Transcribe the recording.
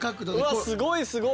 うわっすごいすごい！